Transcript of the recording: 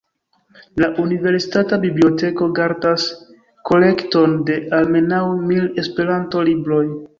La universitata biblioteko gardas kolekton de almenaŭ mil Esperanto-libroj.